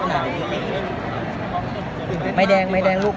ได้ถ้าไม่แบบถึงตัดสินใจอ่ะรับ